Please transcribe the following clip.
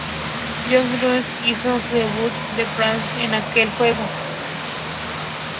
John Gielgud hizo su debut de Broadway en aquel juego.